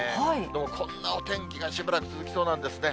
どうもこんなお天気がしばらく続きそうなんですね。